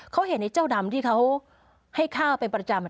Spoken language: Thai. เขาเห็นไอ้เจ้าดำที่เขาให้ข้าวเป็นประจำ